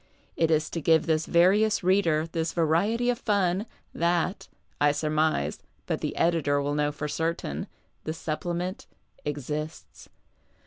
It is to give this various reader this variety of fun that (I surmise, but the editor will know lor certain) the Supplement exists.